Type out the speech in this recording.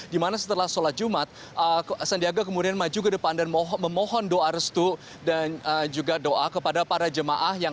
dimana setelah sholat jumat sandiaga kemudian maju ke depan dan memohon doa restu dan juga doa kepada para jemaah